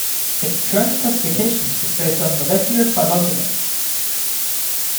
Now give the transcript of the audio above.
Its current classification is based on molecular phylogeny.